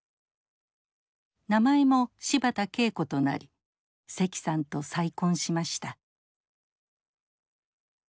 名前も芝田桂子となり石さんと再婚しました。